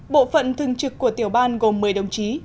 bộ phận thường trực của tiểu ban gồm một mươi đồng chí